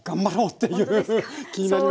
っていう気になります。